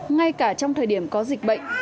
ngay cả trong thời điểm có dịch bệnh